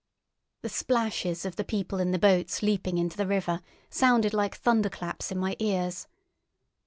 The splashes of the people in the boats leaping into the river sounded like thunderclaps in my ears.